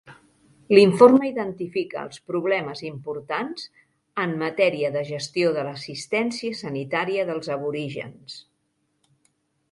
L'informe identifica els problemes importants en matèria de gestió de l'assistència sanitària dels aborígens.